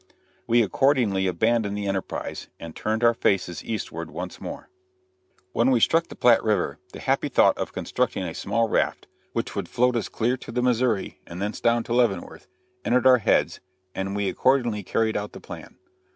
We accordingly abandoned the enterprise and turned our faces eastward once more. [Illustration: RAFTING ON THE PLATTE.] When we struck the Platte River, the happy thought of constructing a small raft which would float us clear to the Missouri and thence down to Leavenworth entered our heads, and we accordingly carried out the plan.